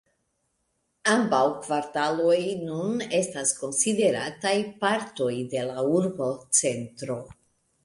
Ambaŭ kvartaloj nun estas konsiderataj partoj de la urbocentro.